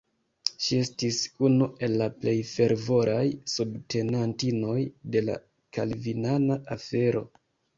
Ŝi estis unu el la plej fervoraj subtenantinoj de la kalvinana afero.